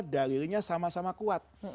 dalilnya sama sama kuat